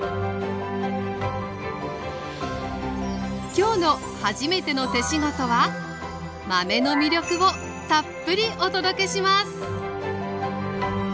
今日の「はじめての手仕事」は豆の魅力をたっぷりお届けします